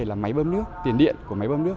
vấn đề là máy bơm nước tiền điện của máy bơm nước